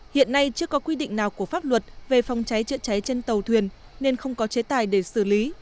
hiện nay chưa có quy định nào của pháp luật về phòng cháy chữa cháy trên tàu thuyền nên không có chế tài để xử lý